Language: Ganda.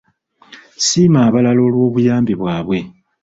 Siima abalala olw'obuyambi bwabwe.